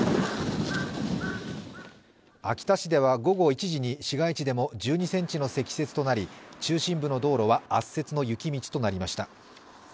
秋田市では午後１時に市街地でも１２ｃｍの積雪となり中心部の道路は圧雪の雪道となりました。